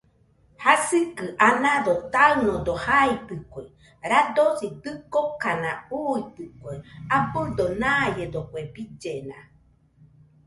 Jasikɨ anado taɨnodo jaitɨkue , radosi dɨkokana uuitɨkue abɨdo naiedo kue billena